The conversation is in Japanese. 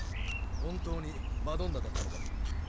本当にマドンナだったのか？